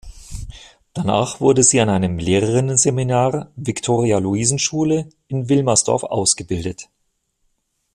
Danach wurde sie an einem Lehrerinnenseminar Viktoria-Luisen-Schule in Wilmersdorf ausgebildet.